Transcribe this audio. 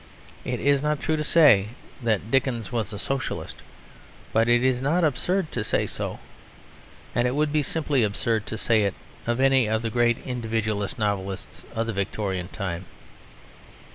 It is not true to say that Dickens was a Socialist, but it is not absurd to say so. And it would be simply absurd to say it of any of the great Individualist novelists of the Victorian time.